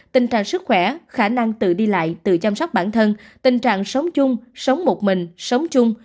tình trạng sức khỏe khả năng tự đi lại tự chăm sóc bản thân tình trạng sống chung sống một mình sống chung